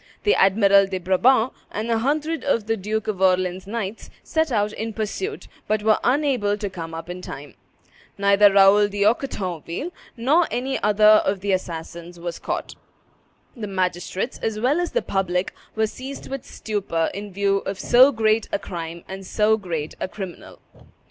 The Admiral de Brabant, and a hundred of the Duke of Orleans' knights, set out in pursuit, but were unable to come up in time. Neither Raoul d'Anquetonville nor any other of the assassins was caught. The magistrates, as well as the public, were seized with stupor in view of so great a crime and so great a criminal.